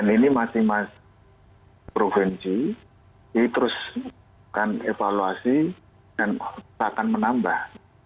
ini masing masing provinsi kita akan menambah